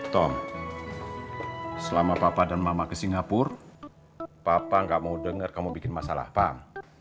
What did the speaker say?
tom selama papa dan mama ke singapura papa gak mau dengar kamu bikin masalah pam